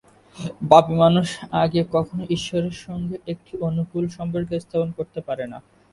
পাপী মানুষ আগে কখনও ঈশ্বরের সঙ্গে একটি অনুকূল সম্পর্ক স্থাপন করতে পারেনা।